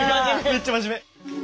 めっちゃ真面目。